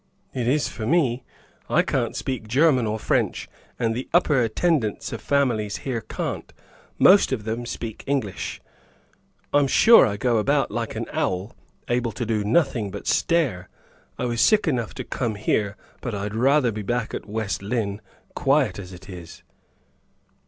"It is for me. I can't speak German or French, and the upper attendants of families here can't; most of them speak English. I'm sure I go about like an owl, able to do nothing but stare. I was sick enough to come here, but I'd rather be back at West Lynne, quiet as it is."